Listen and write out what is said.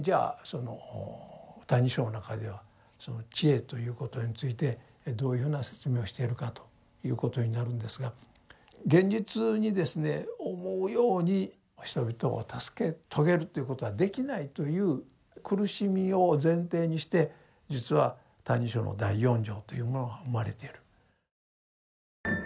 その「歎異抄」の中ではその智慧ということについてどういうふうな説明をしているかということになるんですが現実にですね思うように人々を助け遂げるということはできないという苦しみを前提にして実は「歎異抄」の第四条というものは生まれている。